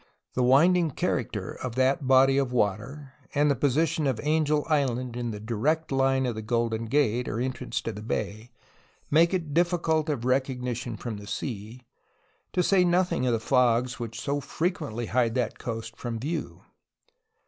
The winding character of that body of water and the position of Angel Island in the direct line of the Golden Gate, or entrance to the bay, make it diffi cult of recognition from the sea, to say nothing of the fogs which so frequently hide that coast from view.